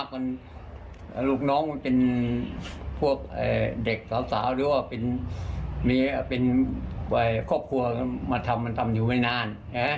มันลูกน้องมันเป็นพวกเด็กสาวหรือว่าเป็นครอบครัวมาทำมันทำอยู่ไม่นาน